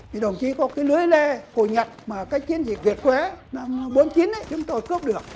thì đồng chí có cái lưới lê của nhật mà cách chiến dịch việt quế năm bốn mươi chín ấy chúng tôi cướp được